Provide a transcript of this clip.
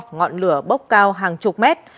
ngọn lửa bốc cao hàng chục mét